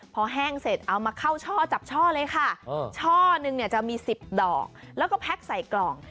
พอแห้งเสร็จเอามาเข้าช่อจับช่อเลยค่ะช่อนึงเนี่ยจะมี๑๐ดอกแล้วก็แพ็คใส่กล่อง